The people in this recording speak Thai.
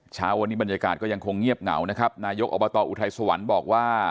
เช้าวันนี้บรรยากาศก็ยังคงเงียบเหงานะครับนายกอบตอุทัยสวรรค์บอกว่า